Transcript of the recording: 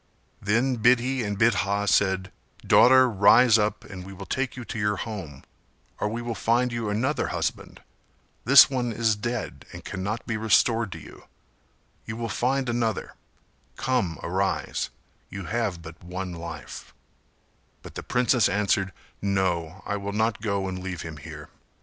Then Bidhi and Bidha said "Daughter, rise up and we will take you to your home, or we will find you another husband; this one is dead and cannot be restored to you; you will find another; come arise, you have but one life," But the princess answered "No I will not go and leave him here.